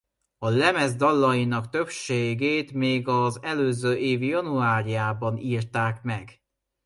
A lemez dalainak többségét még az előző év januárjában írták meg.